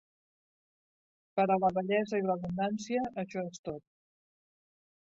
Per a la bellesa i l'abundància, això és tot.